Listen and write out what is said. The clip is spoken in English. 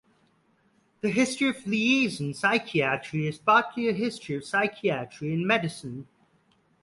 The history of liaison psychiatry is partly a history of psychiatry and medicine.